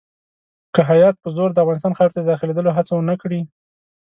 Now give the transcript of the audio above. که هیات په زور د افغانستان خاورې ته داخلېدلو هڅه ونه کړي.